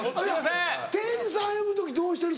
店員さん呼ぶ時どうしてる？